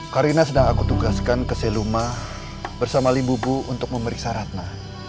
karina sedang aku tugaskan ke seluma bersama ibu bu untuk memeriksa ratna